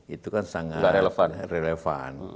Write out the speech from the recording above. itu kan sangat relevan